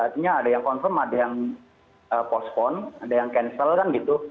artinya ada yang confirm ada yang postpone ada yang cancel kan gitu